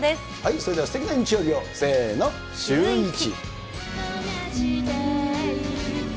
それではすてきな日曜日を、せーの、シューイチ。